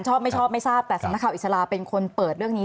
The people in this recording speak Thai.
ชอบไม่ชอบไม่ทราบแต่สำนักข่าวอิสลาเป็นคนเปิดเรื่องนี้